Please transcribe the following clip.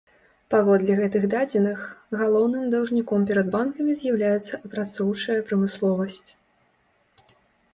Паводле гэтых дадзеных, галоўным даўжніком перад банкамі з'яўляецца апрацоўчая прамысловасць.